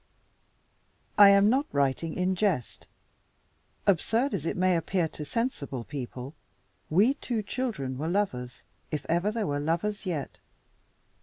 I am not writing in jest. Absurd as it may appear to "sensible people," we two children were lovers, if ever there were lovers yet.